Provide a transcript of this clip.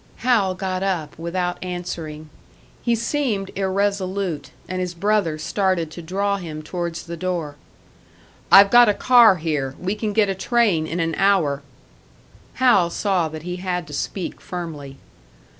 Hal got up, without answering. He seemed irresolute, and his brother started to draw him towards the door. "I've got a car here. We can get a train in an hour " Hal saw that he had to speak firmly.